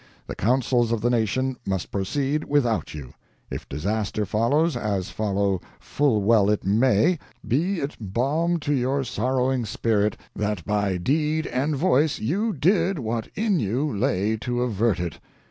The counsels of the nation must proceed without you; if disaster follows, as follow full well it may, be it balm to your sorrowing spirit that by deed and voice you did what in you lay to avert it.